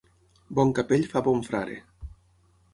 Bon capell fa bon frare.